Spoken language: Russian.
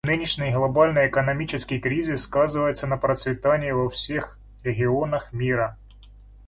Нынешний глобальный экономический кризис сказывается на процветании во всех регионах мира.